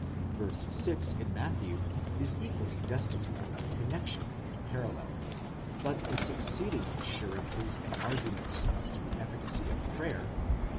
V. 6, in Matthew, is equally destitute of connexion and parallel ; but the succeeding assurances and arguments as to the efficacy of prayer (v.